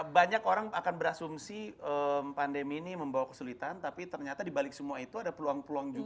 banyak orang akan berasumsi pandemi ini membawa kesulitan tapi ternyata dibalik semua itu ada peluang peluang juga